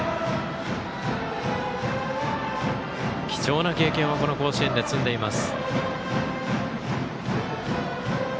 貴重な経験をこの甲子園で積んでいます。